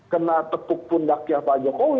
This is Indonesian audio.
kena tepuk pundaknya pak jokowi